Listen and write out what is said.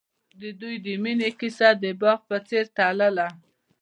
د دوی د مینې کیسه د باغ په څېر تلله.